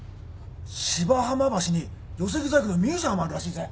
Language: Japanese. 芝浜橋に寄せ木細工のミュージアムあるらしいぜ。